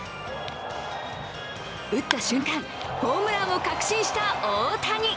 打った瞬間、ホームランを確信した大谷。